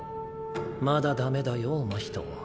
まだダメだよ真人。